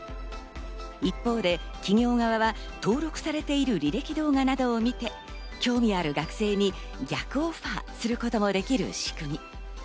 一方で企業側は登録されている履歴動画などを見て、興味ある学生に逆オファーすることもできる仕組み。